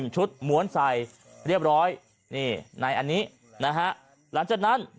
ชุดม้วนใส่เรียบร้อยนี่ในอันนี้นะฮะหลังจากนั้น